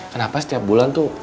kenapa setiap bulan tuh